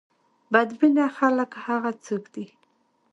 بد بینه خلک هغه څوک دي.